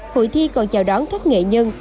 hội thi còn chào đón các nghệ nhân